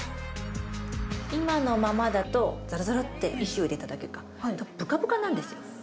今のままだとザラザラって石を入れただけかブカブカなんですよ。